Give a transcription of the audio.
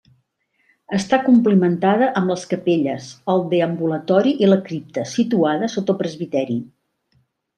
Està complimentada amb les capelles, el deambulatori i la cripta, situada sota el presbiteri.